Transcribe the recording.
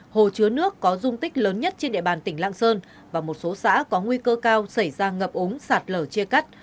hồ chứa nước có dung tích lớn nhất trên địa bàn tỉnh lạng sơn và một số xã có nguy cơ cao xảy ra ngập ống sạt lở chia cắt